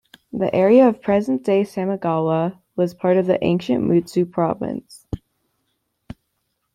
The area of present-day Samegawa was part of ancient Mutsu Province.